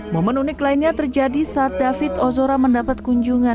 momen unik lainnya terjadi saat david ozora mendapat kunjungan